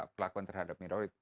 pelakuan terhadap minoritas